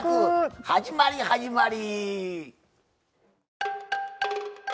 始まり始まり！